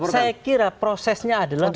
saya kira prosesnya adalah